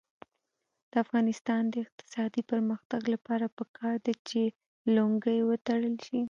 د افغانستان د اقتصادي پرمختګ لپاره پکار ده چې لونګۍ وتړل شي.